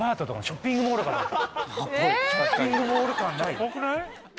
ショッピングモール感ない？